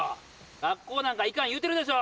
学校なんか行かん言うてるでしょ。